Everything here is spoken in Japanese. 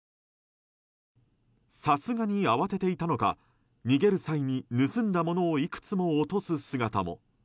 さすがに慌てていたのか逃げる際に盗んだものをいくつも落とす姿も。